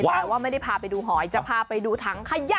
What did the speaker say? แต่ว่าไม่ได้พาไปดูหอยจะพาไปดูถังขยะ